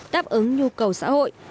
đáp ứng nhu cầu xã hội